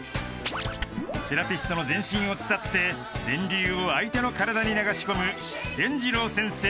［セラピストの全身を伝って電流を相手の体に流し込むでんじろう先生